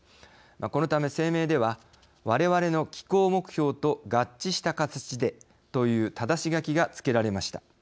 このため声明ではわれわれの気候目標と合致した形でというただし書きがつけられました。